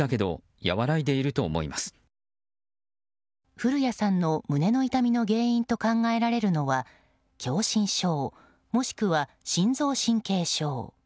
降谷さんの胸の痛みの原因と考えられるのは狭心症もしくは心臓神経症。